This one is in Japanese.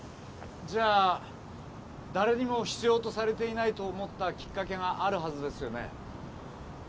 じゃあ誰にも必要とされていないと思ったきっかけがあるはずですよね？